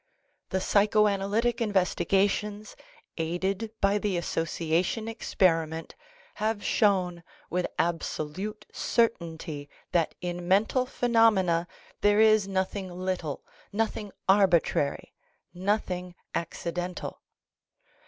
The psycho analytic investigations aided by the association experiment have shown with absolute certainty that in mental phenomena there is nothing little, nothing arbitrary, nothing acci dental.